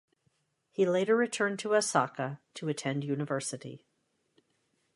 He later returned to Osaka to attend university.